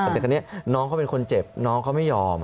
แต่คราวนี้น้องเขาเป็นคนเจ็บน้องเขาไม่ยอม